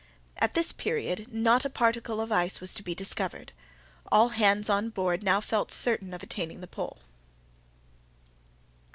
At this period not a particle of ice was to be discovered. All hands on board now felt certain of attaining the pole.